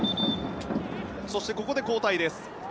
そして、ここで交代です。